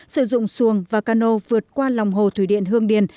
sử dụng xuồng và cano vượt qua lòng hồ thủy điện hương điền